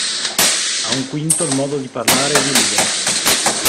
A un quinto il modo di parlare e di ridere.